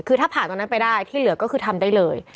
คือถ้าผ่านตรงนั้นไปได้ที่เหลือก็คือทำได้เลย